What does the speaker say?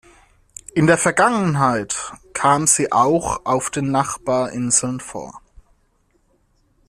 In der Vergangenheit kam sie auch auf den Nachbarinseln vor.